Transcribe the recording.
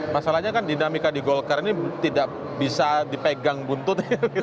masalahnya kan dinamika di golkar ini tidak bisa dipegang buntut